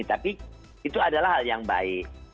tapi itu adalah hal yang baik